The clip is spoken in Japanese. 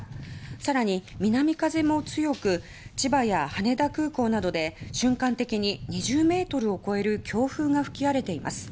さらに南風も強く千葉や羽田空港などで瞬間的に２０ｍを超える強風が吹き荒れています。